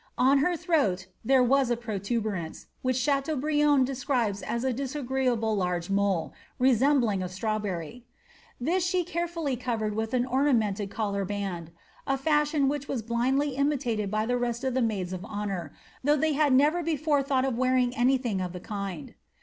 On her throat there was a protuberance, which Chateaubriant describes as a disagreeably large mole, resembling a strawberry ; this she carefully covered with an ornamented collar band, a fiishion which Mras blindly imitated by the rest of the maids of honour, though they had never before thought of wearing any thing of the kind.